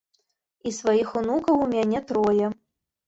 І сваіх унукаў у мяне трое.